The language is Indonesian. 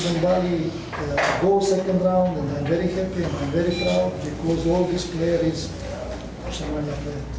dan saya sangat senang dan sangat bangga karena semua pemain ini adalah pemain kusamania